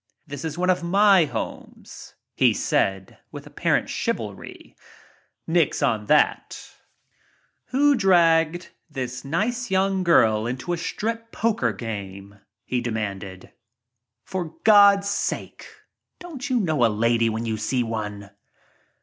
This is one of my homes," he said with apparent chivalry. "Nix on that." PARTIES 31 Who dragged this nice, young girl into a strip :er game?" he demanded. "For God's sake, don't you know a lady when you see one